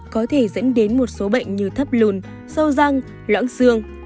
có thể dẫn đến một số bệnh như thấp lùn sâu răng loãng xương